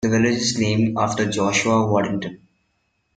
The village is named after Joshua Waddington.